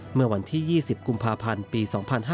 เมื่อวันที่๒๐กุมภาพันธ์ปี๒๕๕๙